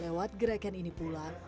lewat gerakan ini pula